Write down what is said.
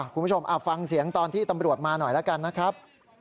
คุณผู้ชมฟังเสียงตอนที่ตำรวจมาหน่อยแล้วกันนะครับ